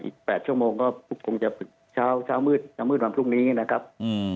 ๘ชั่วโมงก็คงจะเช้าเช้ามืดเช้ามืดวันพรุ่งนี้นะครับ